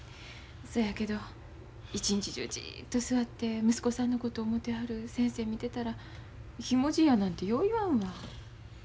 そやけど一日中じっと座って息子さんのこと思てはる先生見てたらひもじいやなんてよう言わんわ。